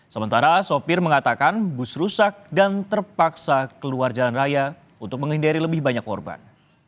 sementara sopir mengatakan bus rusak dan terpaksa keluar jalan raya untuk menghindari lebih banyak korban